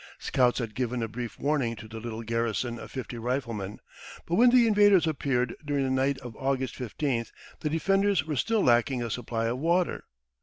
Scouts had given a brief warning to the little garrison of fifty riflemen, but when the invaders appeared during the night of August 15th the defenders were still lacking a supply of water.